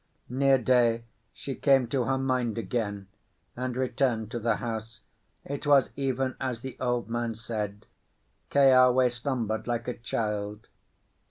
Near day she came to her mind again, and returned to the house. It was even as the old man said—Keawe slumbered like a child.